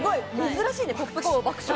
珍しいね、ポップコーンの爆食。